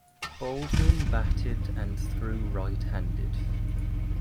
Baldwin batted and threw right-handed.